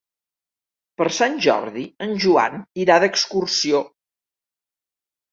Per Sant Jordi en Joan irà d'excursió.